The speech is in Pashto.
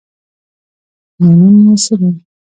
_نو نوم يې څه دی؟